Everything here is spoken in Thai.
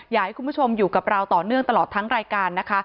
อยากให้คุณผู้ชมอยู่กับเราต่อเนื่องตลอดทั้งรายการนะคะ